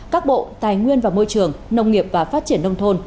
các bộ tài nguyên và môi trường nông nghiệp và phát triển nông thôn